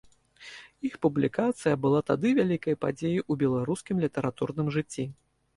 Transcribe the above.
Іх публікацыя была тады вялікай падзеяй у беларускім літаратурным жыцці.